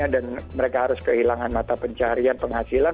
dan mereka harus kehilangan mata pencarian penghasilan